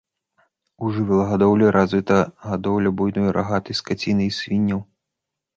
У жывёлагадоўлі развіта гадоўля буйной рагатай скаціны і свінняў.